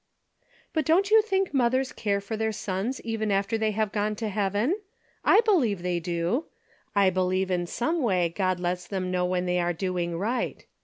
" But don't you think mothers care for their sons even after they have gone to heaven ? I believe they do. I believe in some way God lets them know when they are doing right.